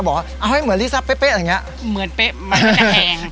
บอกเอาให้เหมือนลิซ่าเป๊ะเป๊ะอะไรอย่างเงี้ยเหมือนเป๊ะมันไม่ได้แอง